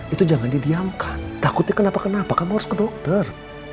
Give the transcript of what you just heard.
itu jangan didiamkan takutnya kenapa kenapa kamu harus ke dokter